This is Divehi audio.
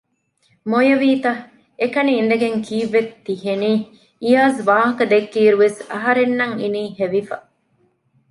މޮޔަވީތަ؟ އެކަނި އިނދެގެން ކީއްވެ ތި ހެނީ؟ އިޔާޒް ވާހަކަ ދެއްކި އިރުވެސް އަހަރެންނަށް އިނީ ހެވިފަ